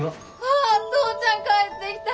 あ父ちゃん帰ってきた！